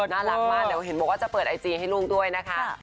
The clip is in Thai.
น่ารักมากเดี๋ยวเห็นบอกว่าจะเปิดไอจีให้ลูกด้วยนะคะ